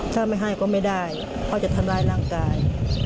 ถ้าไม่ให้ก็ไม่ได้เขาจะทำร้ายร่างกาย